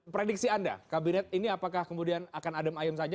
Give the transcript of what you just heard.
prediksi anda kabinet ini apakah kemudian akan adem ayem saja